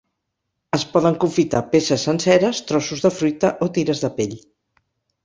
Es poden confitar peces senceres, trossos de fruita o tires de pell.